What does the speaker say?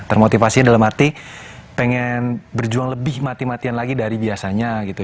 termotivasi dalam arti pengen berjuang lebih mati matian lagi dari biasanya gitu